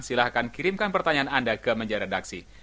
silahkan kirimkan pertanyaan anda ke menja redaksi